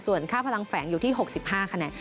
ส่วนค่าพลังแฝงอยู่ที่๖๕คะแนน